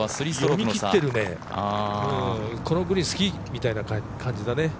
読み切ってるね、このグリーン好き！みたいな感じだね。